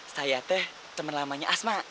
saya teh temen lamanya asma